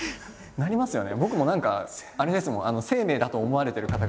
なりますよね。